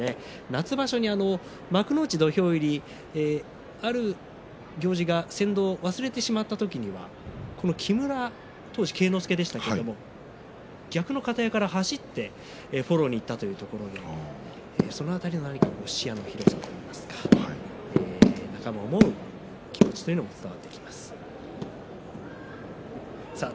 夏場所に幕内土俵入りある行司が先導を忘れてしまった時には当時、木村恵之助でしたけれども逆の方屋から走ってフォローに走ったというところもその辺りの視野の広さというのも仲間を思う気持ちっていうのも伝わってきます。